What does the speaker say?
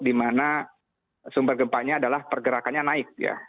di mana sumber gempanya adalah pergerakannya naik ya